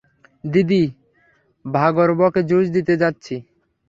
দিদি, ভার্গবকে জুস দিতে চাচ্ছি।